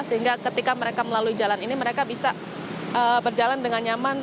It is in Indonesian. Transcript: sehingga ketika mereka melalui jalan ini mereka bisa berjalan dengan nyaman